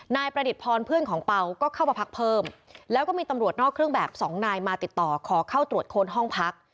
นายประดิษฐพรเพื่อนของเปล่าก็เข้ามาพักเพิ่มแล้วก็มีตำรวจนอกเครื่องแบบสองนายมาติดต่อขอเข้าตรวจค้นห้องพัก